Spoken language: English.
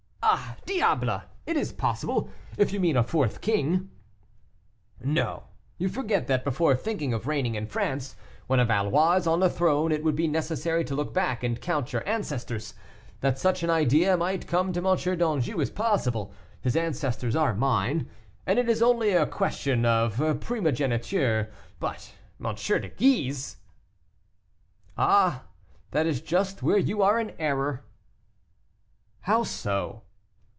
"Ah, diable! it is possible! If you mean a fourth king " "No; you forget that before thinking of reigning in France, when a Valois is on the throne, it would be necessary to look back and count your ancestors. That such an idea might come to M. d'Anjou is possible; his ancestors are mine, and it is only a question of primogeniture. But M. de Guise!" "Ah! that is just where you are in error." "How so?"